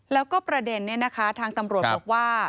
แล้วก็ประเด็นนี้นะคะทางตำรวจบอกว่า